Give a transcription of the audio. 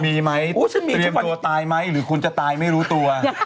มีไหมเตรียมตัวตายไหมหรือคุณจะตายไม่รู้ตัว